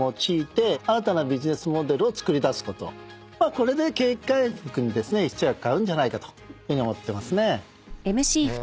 これで景気回復に一役買うんじゃないかと思ってますね。